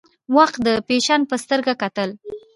وخت د فیشن په سترګه کتل.